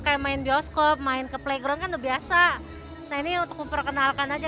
kayak main bioskop main ke playground kan udah biasa nah ini untuk memperkenalkan aja